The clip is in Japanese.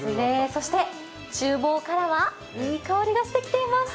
そしてちゅう房からはいい香りがしてきています。